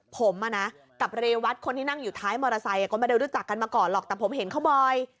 ผมกับเรวัตคนที่นั่งอยู่ท้ายมอเตอร์ไซค์ก็ไม่ได้รู้จักกันมาก่อนหรอกแต่ผมเห็นเขาบ่อย